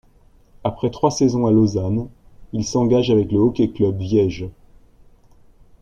Après trois saisons à Lausanne, il s’engage avec le Hockey Club Viège.